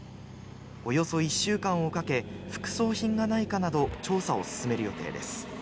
およそ１週間をかけ副葬品がないかなど調査を進める予定です。